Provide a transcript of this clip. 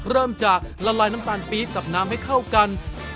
เริ่มจากละลายน้ำตาลปี๊บกับน้ำให้เข้ากัน